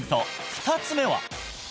磽つ目は？